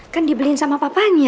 kan dibeliin sama papanya